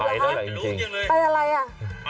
ไปแล้วแหละจริงไปอะไรอะ